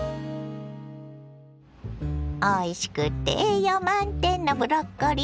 おいしくて栄養満点のブロッコリー！